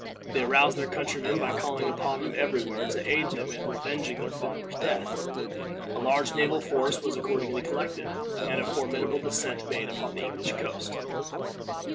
They aroused their countrymen by calling upon them every where to aid them in revenging their father's death. A large naval force was accordingly collected, and a formidable descent made upon the English coast.